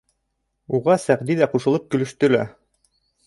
Уға Сәғди ҙә ҡушылып көлөштө лә: